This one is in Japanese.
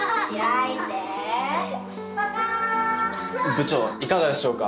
部長いかがでしょうか？